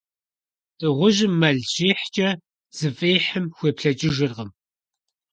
Дыгъужьым мэл щихькӀэ, зыфӀихьым хуеплъэкӀыжыркъым.